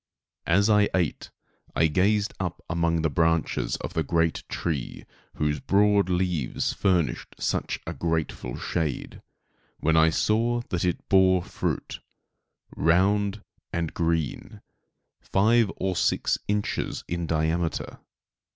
As I ate I gazed up among the branches of the great tree, whose broad leaves furnished such a grateful shade, when I saw that it bore fruit, round and green, five or six inches in diameter.